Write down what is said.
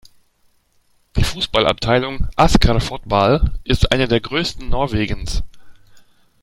Die Fußballabteilung Asker Fotball ist eine der größten Norwegens.